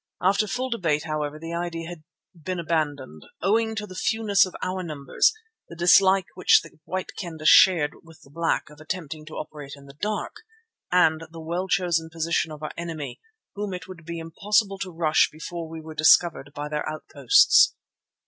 After full debate, however, the idea had been abandoned, owing to the fewness of our numbers, the dislike which the White Kendah shared with the Black of attempting to operate in the dark, and the well chosen position of our enemy, whom it would be impossible to rush before we were discovered by their outposts.